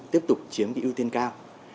tiếp tục chiếm ưu tiên cao